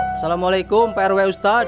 assalamualaikum prw ustadz